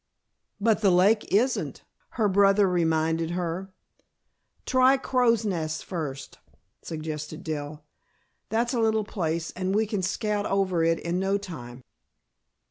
"But the lake isn't," her brother reminded her. "Try Crow's Nest first," suggested Dell. "That's a little place and we can scout over it in no time."